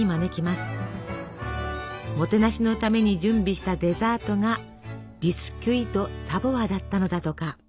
もてなしのために準備したデザートがビスキュイ・ド・サヴォワだったのだとか。